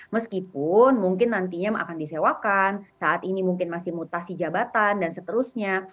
meskipun mungkin nantinya akan disewakan saat ini mungkin masih mutasi jabatan dan seterusnya